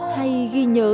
hay ghi nhớ